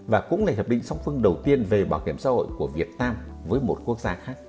và cũng là hiệp định song phương đầu tiên về bảo hiểm xã hội của việt nam với một quốc gia khác